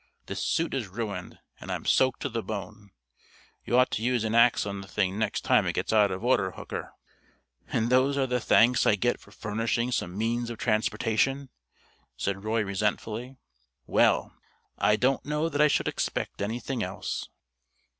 This suit is ruined, and I'm soaked to the bone. You ought to use an axe on the thing next time it gets out of order, Hooker." "And these are the thanks I get for furnishing some means of transportation," said Roy resentfully. "Well, I don't know that I should expect anything else."